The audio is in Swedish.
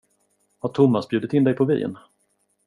Har Thomas bjudit in dig på vin?